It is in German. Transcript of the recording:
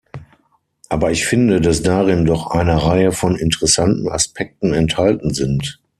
Aber ich finde, dass darin doch eine Reihe von interessanten Aspekten enthalten sind.